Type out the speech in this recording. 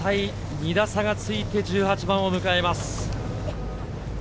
２打差がついて１８番を迎えます。